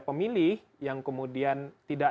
pemilih yang kemudian tidak